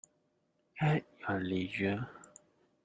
At your leisure.